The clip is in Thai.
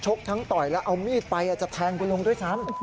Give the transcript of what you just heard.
ชกทั้งตอยและมีดไปบ้างอาจจะแทงคุณลุงด้วยซ้ำ